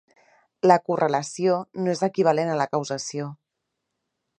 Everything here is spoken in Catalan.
La correlació no és equivalent a la causació.